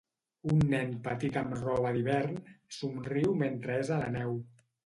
Un nen petit amb roba d'hivern somriu mentre és a la neu.